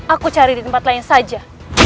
aku cari di tempat lain saja